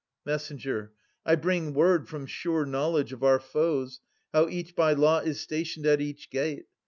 Messenger. I bring word, from sure knowledge, of our foes, How each by lot is stationed at each gate.